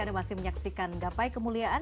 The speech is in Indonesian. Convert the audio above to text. anda masih menyaksikan gapai kemuliaan